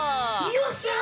よっしゃ！